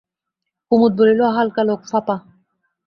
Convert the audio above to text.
কুমুদ বলিল, হালকা লোক, ফাঁপা।